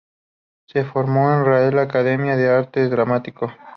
Se formó en la Real Academia de Arte Dramático.